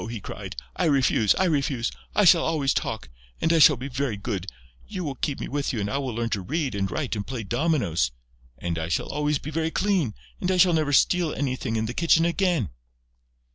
he cried. "I refuse!... I refuse!... I shall always talk!... And I shall be very good.... You will keep me with you and I shall learn to read and write and play dominoes!... And I shall always be very clean.... And I shall never steal anything in the kitchen again...."